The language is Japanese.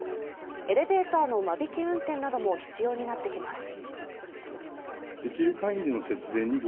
エレベーターの間引き運転なども必要になってきます。